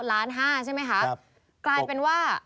๑๕๐๐๐๐๐ราตรใช่ไหมค่ะกลายเป็นว่า